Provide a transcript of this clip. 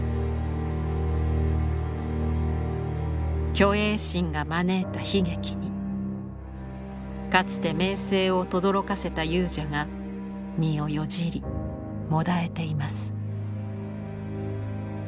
虚栄心が招いた悲劇にかつて名声をとどろかせた勇者が身をよじりもだえています。